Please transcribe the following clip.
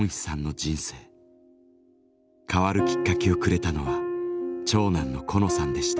変わるきっかけをくれたのは長男のコノさんでした。